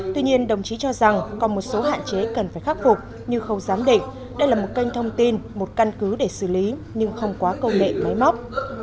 tuy nhiên đồng chí cho rằng còn một số hạn chế cần phải khắc phục như khâu giám định đây là một kênh thông tin một căn cứ để xử lý nhưng không quá công nghệ máy móc